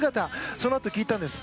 そのあと聞いたんです。